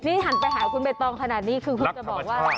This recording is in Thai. นี่หันไปหาคุณใบตองขนาดนี้คือคุณจะบอกว่า